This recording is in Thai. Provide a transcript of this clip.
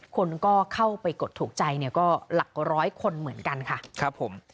คนก็เข้าไปกดถูกใจเนี่ยก็หลักร้อยคนเหมือนกันค่ะครับผม